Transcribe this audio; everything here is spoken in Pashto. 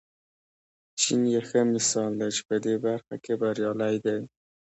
چین یې ښه مثال دی چې په دې برخه کې بریالی دی.